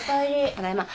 ただいま。